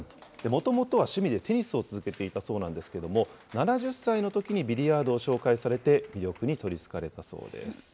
もともとは趣味でテニスを続けていたそうなんですけれども、７０歳のときにビリヤードを紹介されて、魅力に取りつかれたそうです。